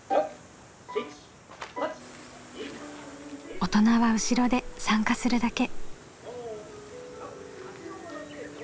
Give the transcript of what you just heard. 大人は後ろで参加するだけ。